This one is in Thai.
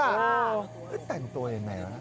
เจอแล้วแต่งตัวอย่างไรนะ